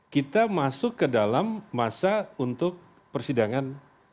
kita masuk ke dalam masa untuk persidangan